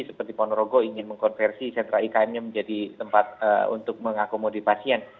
seperti ponorogo ingin mengkonversi sentra ikm nya menjadi tempat untuk mengakomodir pasien